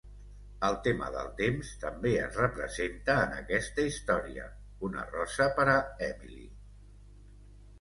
El tema del temps també es representa en aquesta història: "Una rosa per a Emily".